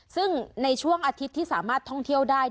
ซึ่งในช่วงอาทิตย์ที่สามารถท่องเที่ยวได้